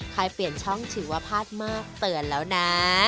ใครเปลี่ยนช่องถือว่าพลาดมากเตือนแล้วนะ